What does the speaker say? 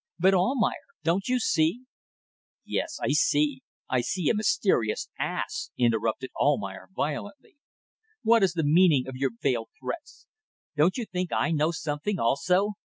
"But, Almayer, don't you see ..." "Yes, I see. I see a mysterious ass," interrupted Almayer, violently. "What is the meaning of your veiled threats? Don't you think I know something also?